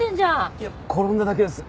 いや転んだだけです。